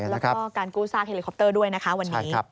แล้วก็การกู้ซากไฮเล็กคอปเตอร์ด้วยวันนี้